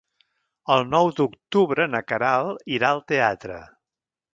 El nou d'octubre na Queralt irà al teatre.